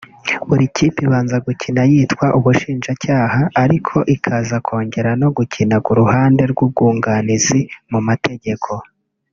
Buri kipe ibanza gukina yitwa ubushinjacyaha ariko ikaza kongera no gukina ku ruhande rw’ubwunganizi mu mategeko